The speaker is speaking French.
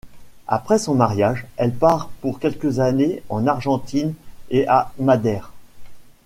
Après son mariage, elle part pour quelques années en Argentine et à Madère.